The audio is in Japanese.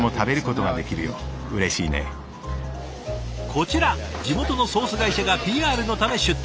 こちら地元のソース会社がＰＲのため出店。